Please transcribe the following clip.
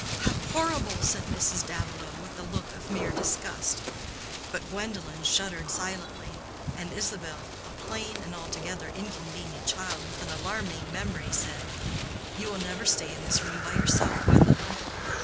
"How horrible!" said Mrs. Davilow, with a look of mere disgust; but Gwendolen shuddered silently, and Isabel, a plain and altogether inconvenient child with an alarming memory, said, "You will never stay in this room by yourself, Gwendolen."